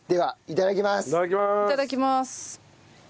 いただきます。